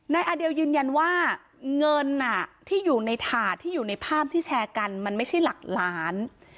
อาเดลยืนยันว่าเงินที่อยู่ในถาดที่อยู่ในภาพที่แชร์กันมันไม่ใช่หลักล้าน